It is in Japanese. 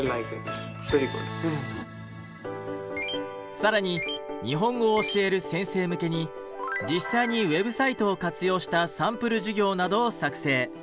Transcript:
更に日本語を教える先生向けに実際にウェブサイトを活用したサンプル授業などを作成。